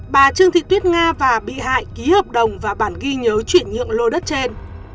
bà trương thị tuyết nga và bị hại ký hợp đồng và bản ghi nhớ chuyển nhượng lô đất trên